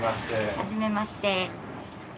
はじめまして。